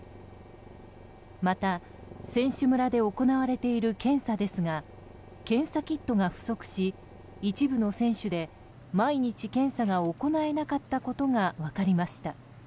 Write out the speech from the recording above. また、選手村で行われている検査ですが検査キットが不足し一部の選手で毎日、検査が行えなかったことが分かりました。